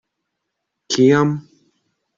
Kiam?